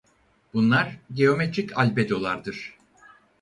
Bunlar geometrik albedolardır.